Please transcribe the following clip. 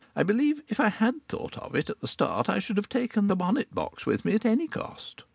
I believe if I had thought of it, at the start, I should have taken the bonnet box with me at any cost.